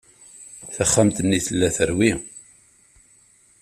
Taxxamt-nni tella terwi.